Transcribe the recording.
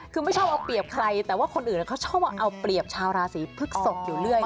คือไม่ชอบเอาเปรียบใครแต่ว่าคนอื่นเขาชอบว่าเอาเปรียบชาวราศีพฤกษกอยู่เรื่อย